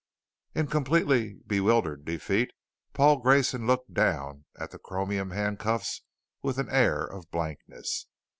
In completely bewildered defeat, Paul Grayson looked down at the chromium handcuffs with an air of blankness.